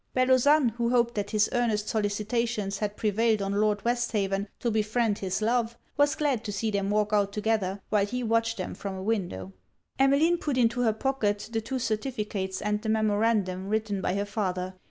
Bellozane, who hoped that his earnest solicitations had prevailed on Lord Westhaven to befriend his love, was glad to see them walk out together, while he watched them from a window. Emmeline put into her pocket the two certificates and the memorandum written by her father.